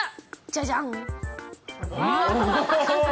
じゃじゃん。